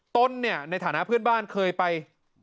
ต้นเนี่ยในฐานะเพื่อนบ้านเคยไป